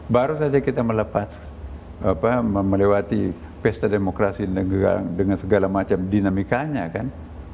baru saja kita melewati pesta demokrasi dengan segala macam dinamikanya kan